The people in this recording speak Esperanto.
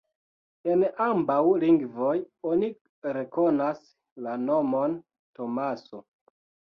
En ambaŭ lingvoj oni rekonas la nomon Tomaso.